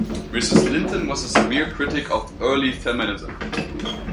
Mrs Linton was a severe critic of early feminism.